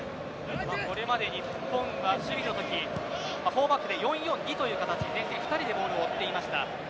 これまで日本が守備のとき４バックで４ー４ー２という形で前線２人でボールを追っていました。